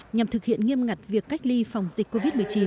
nhằm thực hiện nghiêm ngặt việc cách ly phòng dịch covid một mươi chín